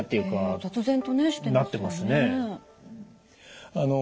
雑然とねしてますね。